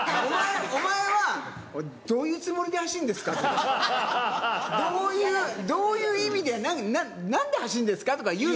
お前は、どういうつもりで走るんですか？とか、どういう意味で、なんで走るんですか？とか言